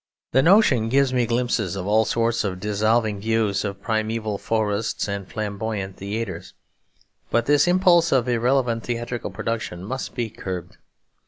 The notion gives me glimpses of all sorts of dissolving views of primeval forests and flamboyant theatres; but this impulse of irrelevant theatrical production must be curbed.